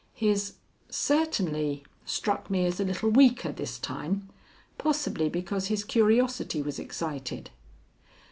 His "Certainly" struck me as a little weaker this time, possibly because his curiosity was excited.